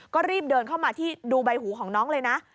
ก็รีบเดินเข้ามาที่ดูใบหูของน้องเลยนะ